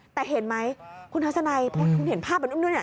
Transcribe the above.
แต่เห็นไหมคุณทัศนายเพราะเห็นภาพแบบนู้นนี่